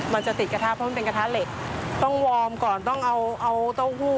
มันจะติดกระทะเพราะมันเป็นกระทะเหล็กต้องวอร์มก่อนต้องเอาเอาเต้าหู้